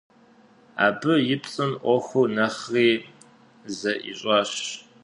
Абы и пцӏым ӏуэхур нэхъри зэӏищӏащ.